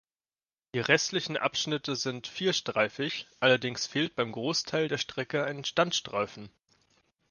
Die restlichen Abschnitte sind vierstreifig, allerdings fehlt beim Großteil der Strecke ein Standstreifen.